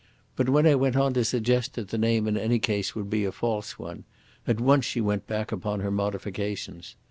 But when I went on to suggest that the name in any case would be a false one, at once she went back upon her modifications.